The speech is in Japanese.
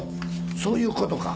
そういうことか。